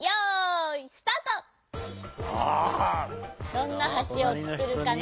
どんなはしをつくるかな？